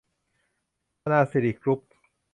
ธนาสิริ กรุ๊ป